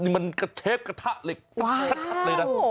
มันเฉฟกระทะเลย